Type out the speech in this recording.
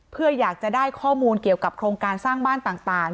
เพื่ออยากจะได้ข้อมูลเกี่ยวกับโครงการสร้างบ้านต่าง